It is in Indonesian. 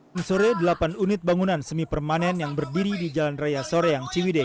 minggu sore delapan unit bangunan semi permanen yang berdiri di jalan raya soreang ciwide